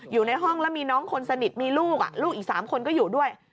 อยู่ในห้องแล้วมีน้องคนสนิทมีลูกลูกอีก๓คนก็อยู่ด้วย